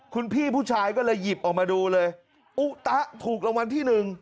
คุณพี่ผู้ชายก็เลยหยิบออกมาดูเลยอุตะถูกรางวัลที่หนึ่ง